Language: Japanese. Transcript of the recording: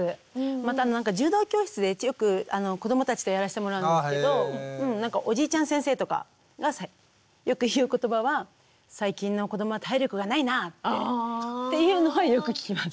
また柔道教室でよく子どもたちとやらせてもらうんですけどなんかおじいちゃん先生とかがよく言う言葉は「最近の子どもは体力がないな」っていうのはよく聞きます。